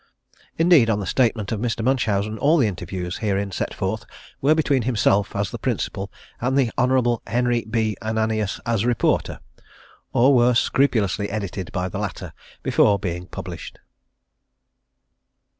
Indeed, on the statement of Mr. Munchausen, all the interviews herein set forth were between himself as the principal and the Hon. Henry B. Ananias as reporter, or were scrupulously edited by the latter before being published.